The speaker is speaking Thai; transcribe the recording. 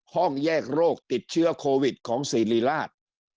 ห้องแยกโรคติดเชื้อโควิดของสิริราช